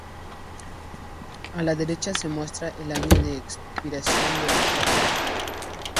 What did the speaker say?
A la derecha se muestra el año de expiración de la placa.